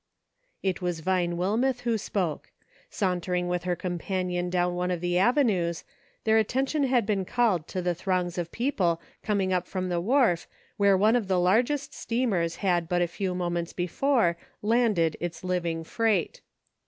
It was Vine Wilmeth who spoke. Sauntering with her companion down one of the avenues, their attention had been called to the throngs of people coming from the wharf where one of the largest steamers had but a few moments before landed its living freight.